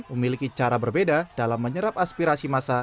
memiliki cara berbeda dalam menyerap aspirasi masa